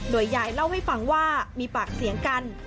โดยยายเล่าให้ฟังว่ามีปากเสียงกัน